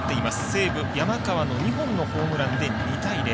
西武、山川の２本のホームランで２対０。